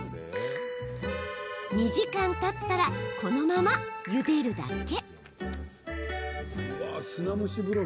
２時間たったらこのまま、ゆでるだけ。